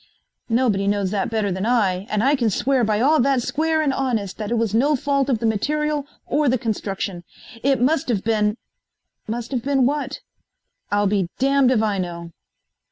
"Nobody knows that better than I, and I can swear by all that's square and honest that it was no fault of the material or the construction. It must have been " "Must have been what?" "I'll be damned if I know."